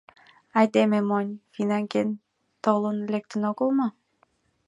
— Айдеме монь, финагент толын лектын огыл мо?